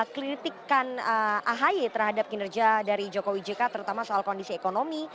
kritikan ahy terhadap kinerja dari jokowi jk terutama soal kondisi ekonomi